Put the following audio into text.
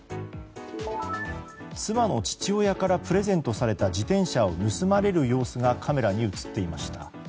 妻の父親からプレゼントされた自転車を盗まれる様子がカメラに映っていました。